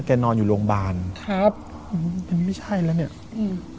นอนอยู่โรงพยาบาลครับอืมมันไม่ใช่แล้วเนี้ยอืม